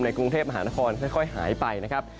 กรุงเทพมหานครค่อยหายไปนะครับ